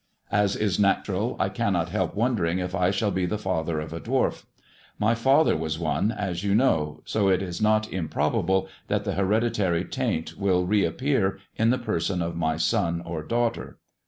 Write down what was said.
As is natural, I cannot help wondering if I shall be the father of a dwarf. My fathw was one, as you know, so it is not improbable that the hereditary taint will re appear in the person of my son or daughter.